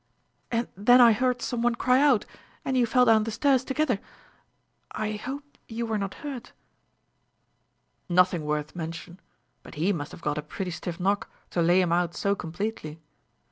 And then I heard some one cry out, and you fell down the stairs together. I hope you were not hurt ?" "Nothing worth mention; but he must have got a pretty stiff knock, to lay him out so completely."